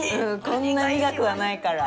こんな苦くはないから。